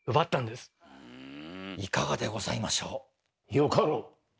よかろう。